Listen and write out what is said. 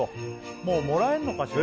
もうもらえるのかしら？